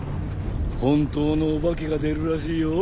本当のオバケが出るらしいよ。